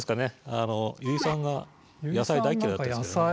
あの油井さんが野菜大嫌いだったですけどね。